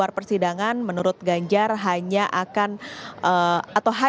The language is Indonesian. gambar yang anda saksikan saat ini adalah